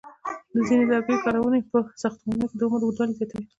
د ځینو لرګیو کارونې په ساختمانونو کې د عمر اوږدوالی زیاتوي.